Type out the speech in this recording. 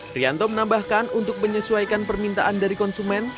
trianto menambahkan untuk menyesuaikan permintaan dari konsumen